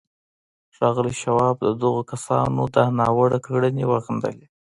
ښاغلي شواب د دغو کسانو دا ناوړه کړنې وغندلې